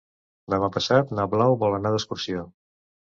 Demà passat na Blau vol anar d'excursió.